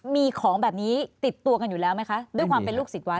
มีของแบบนี้ติดตัวกันอยู่แล้วไหมคะด้วยความเป็นลูกศิษย์วัด